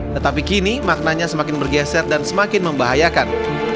tetapi kini maknanya semakin bergeser dan semakin membahayakan